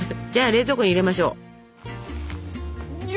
じゃあ冷蔵庫に入れましょう。